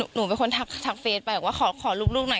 หนูเป็นคนทักเฟซไปว่าขอรูปลูกหน่อย